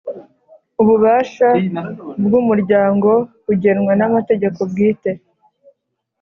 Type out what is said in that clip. ububasha bwu Umuryango bugenwa n amategeko bwite